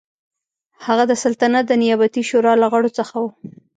هغه د سلطنت د نیابتي شورا له غړو څخه و.